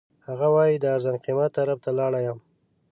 هغه وایي د ارزان قیمت طرف ته لاړ یم.